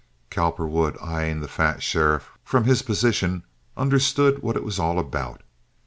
Cowperwood, eyeing the fat sheriff from his position, understood what it was all about.